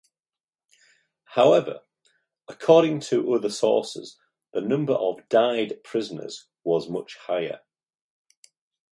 However, according to other sources the number of died prisoners was much higher.